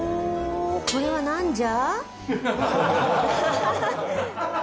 これはなんじゃ？